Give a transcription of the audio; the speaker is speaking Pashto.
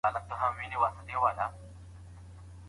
ولې کورني شرکتونه طبي درمل له هند څخه واردوي؟